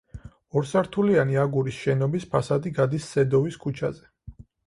ორსართულიანი აგურის შენობის ფასადი გადის სედოვის ქუჩაზე.